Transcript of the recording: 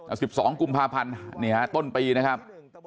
๑๒กุมภาพันธ์นี่ฮะต้นปีนะครับ